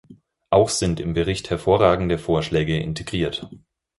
Auch sind im Bericht hervorragende Vorschläge integriert.